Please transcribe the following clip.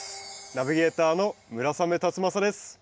ナビゲーターの村雨辰剛です。